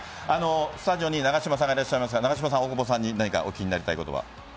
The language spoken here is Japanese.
スタジオに永島さんがいらっしゃいますが大久保さんに何かお聞きしたいことはありますか？